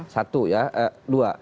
satu ya dua